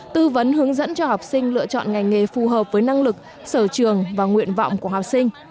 tư vấn hướng dẫn cho học sinh lựa chọn ngành nghề phù hợp với năng lực sở trường và nguyện vọng của học sinh